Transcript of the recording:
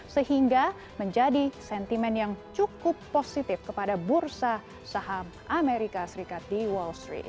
sehingga menjadi sentimen yang cukup positif kepada bursa saham amerika serikat di wall street